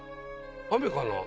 雨かな。